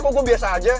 kok gue biasa aja